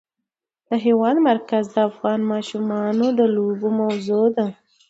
د هېواد مرکز د افغان ماشومانو د لوبو موضوع ده.